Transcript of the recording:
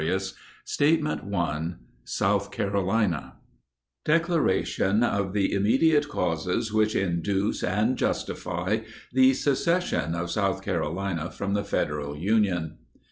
org/details/declarationofimmOOsout DECLARATION OF THE IMMEDIATE CAUSES WHICH INDUCE AND JUSTIFY THE SECES SION OF SOUTH CAROLINA FROM THE FEDERAL UNION.